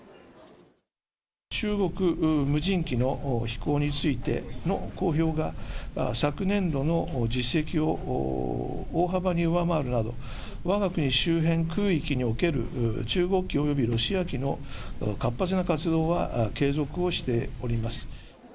中国無人機の飛行についての公表が、昨年度の実績を大幅に上回るなど、わが国周辺空域における中国機およびロシア機の活発な活動は継続をしております。